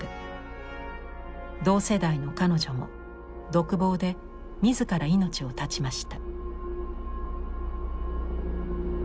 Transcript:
同世代の彼女も独房で自ら命を絶ちました。